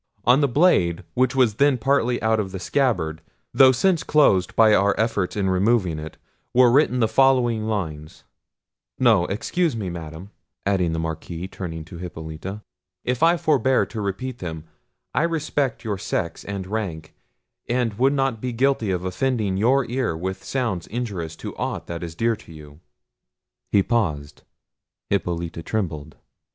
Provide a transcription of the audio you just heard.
On the blade, which was then partly out of the scabbard, though since closed by our efforts in removing it, were written the following lines—no; excuse me, Madam," added the Marquis, turning to Hippolita; "if I forbear to repeat them: I respect your sex and rank, and would not be guilty of offending your ear with sounds injurious to aught that is dear to you." He paused. Hippolita trembled.